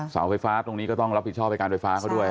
เสาไฟฟ้าตรงนี้ก็ต้องรับผิดชอบให้การไฟฟ้าเขาด้วย